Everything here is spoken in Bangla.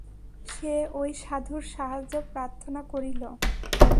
সে ঐ সাধুর সাহায্য প্রার্থনা করিল।